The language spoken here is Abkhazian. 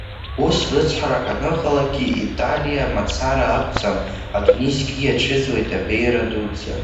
Ус рыцҳарак аныҟалагьы, Италиа мацара акәӡам, адунеи зегьы иацәыӡуеит абеиара дуӡӡа!